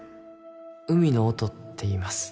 海野音っていいます